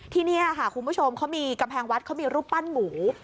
ที่นี่ค่ะคุณผู้ชมเขามีกำแพงวัดเขามีรูปปั้นหมู